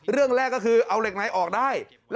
เรื่องแรกก็คือเอาเหล็กไนออกได้